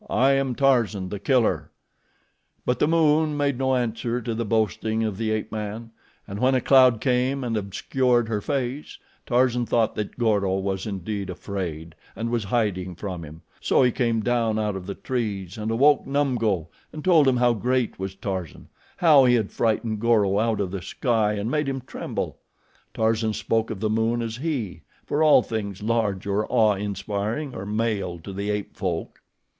I am Tarzan, the killer." But the moon made no answer to the boasting of the ape man, and when a cloud came and obscured her face, Tarzan thought that Goro was indeed afraid, and was hiding from him, so he came down out of the trees and awoke Numgo and told him how great was Tarzan how he had frightened Goro out of the sky and made him tremble. Tarzan spoke of the moon as HE, for all things large or awe inspiring are male to the ape folk.